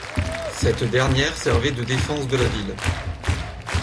Cette dernière servait de défense de la ville.